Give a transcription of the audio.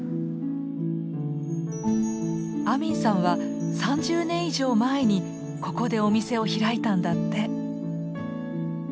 アミンさんは３０年以上前にここでお店を開いたんだって。